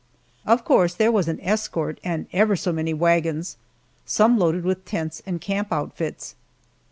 Of course there was an escort, and ever so many wagons, some loaded with tents and camp outfits.